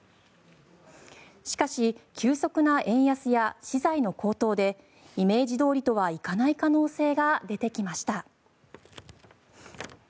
しかし急速な円安や資材の高騰でイメージどおりとはいかない可能性が出てきました。